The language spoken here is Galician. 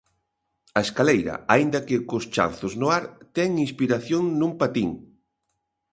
A escaleira, aínda que cos chanzos no ar, ten inspiración nun patín.